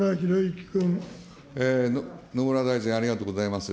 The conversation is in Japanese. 野村大臣、ありがとうございます。